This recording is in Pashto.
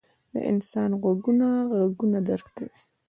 • د انسان غوږونه ږغونه درک کوي.